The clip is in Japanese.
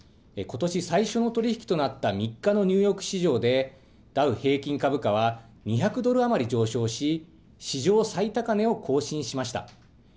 ことし最初の取り引きとなった３日のニューヨーク市場で、ダウ平均株価は２００ドル余り上昇し、史上最高値を更新しました。